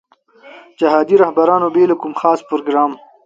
جهادي رهبرانو بې له کوم خاص پروګرام.